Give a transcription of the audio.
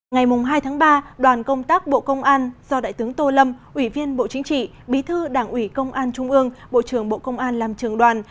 ngày hai tháng ba đoàn công tác bộ công an do đại tướng tô lâm ủy viên bộ chính trị bí thư đảng ủy công an trung ương bộ trưởng bộ công an làm trường đoàn